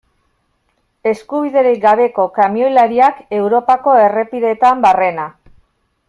Eskubiderik gabeko kamioilariak Europako errepideetan barrena.